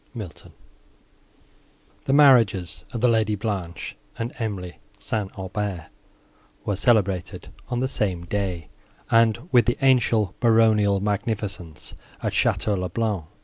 MILTON The marriages of the Lady Blanche and Emily St. Aubert were celebrated, on the same day, and with the ancient baronial magnificence, at Château le Blanc.